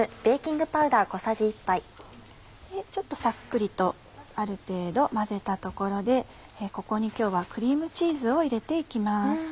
ちょっとサックリとある程度混ぜたところでここに今日はクリームチーズを入れて行きます。